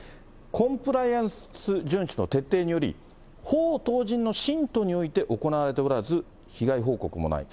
コンプライアンス順守の徹底により、当法人の信徒において行われておらず、被害報告もない。